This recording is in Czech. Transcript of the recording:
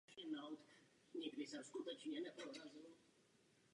Operátoři nereagovali a tvrdě penalizují spotřebitele.